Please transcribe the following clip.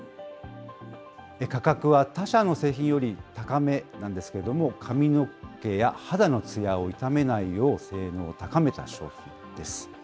価格は他社の製品より高めなんですけれども、髪の毛や肌のつやを傷めないよう性能を高めた商品です。